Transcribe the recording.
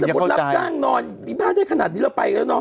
ถ้าสมมุติรับข้างนอนอีบ้าได้ขนาดนี้แล้วไปแล้วเนอะ